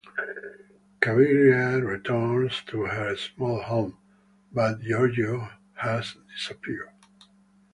Cabiria returns to her small home, but Giorgio has disappeared.